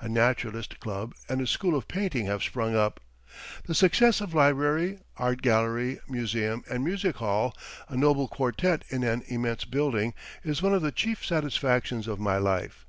A naturalist club and a school of painting have sprung up. The success of Library, Art Gallery, Museum, and Music Hall a noble quartet in an immense building is one of the chief satisfactions of my life.